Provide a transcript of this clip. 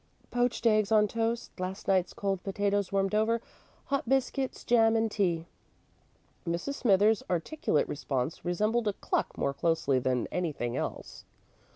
"Poached eggs on toast, last night's cold potatoes warmed over, hot biscuits, jam, and tea." Mrs. Smithers's articulate response resembled a cluck more closely than anything else.